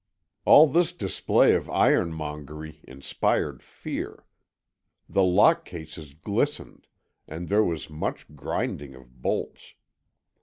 All this display of ironmongery inspired fear. The lock cases glistened, and there was much grinding of bolts.